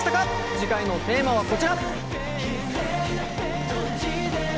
次回のテーマはこちら！